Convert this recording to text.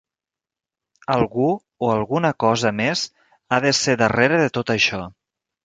Algú o alguna cosa més ha de ser darrere de tot això.